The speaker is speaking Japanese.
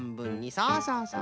そうそうそうそう。